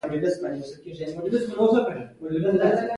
روبوټونه د دقیقو محاسبو لپاره کارېږي.